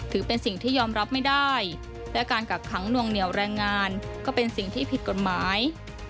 ถือเป็นสิ่งที่ยอมรับไม่ได้และการกักขังนวงเหนียวแรงงานก็เป็นสิ่งที่ผิดกฎหมาย